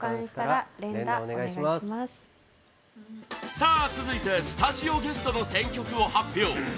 さあ、続いてスタジオゲストの選曲を発表！